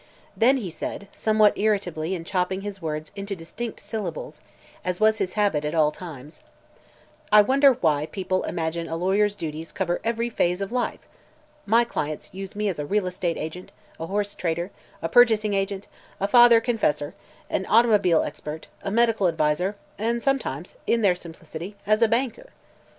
Then he said, somewhat irritably and chopping his words into distinct syllables, as was his habit at all times: "I wonder why people imagine a lawyer's duties cover every phase of life? My clients use me as a real estate agent, a horse trader, a purchasing agent, a father confessor, an automobile expert, a medical adviser, and sometimes in their simplicity as a banker!"